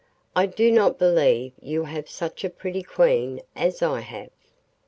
I do not believe you have such a pretty Queen as I have.